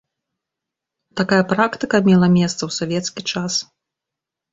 Такая практыка мела месца ў савецкі час.